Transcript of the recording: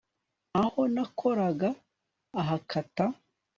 Aho nakoraga ahakata